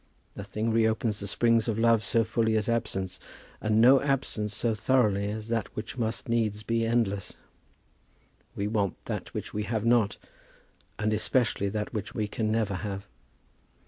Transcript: Nothing reopens the springs of love so fully as absence, and no absence so thoroughly as that which must needs be endless. We want that which we have not; and especially that which we can never have.